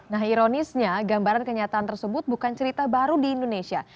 nah ironisnya gambaran kenyataan tersebut bukan cerita baru di indonesia